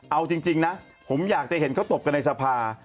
เอาจริงนะผมอยากจะเห็นเขาตบกันในสภา